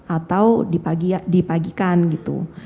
atau dipagikan gitu